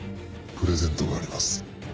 プレゼントがあります。